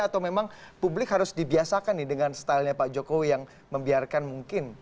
atau memang publik harus dibiasakan nih dengan stylenya pak jokowi yang membiarkan mungkin